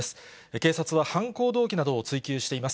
警察は犯行動機などを追及しています。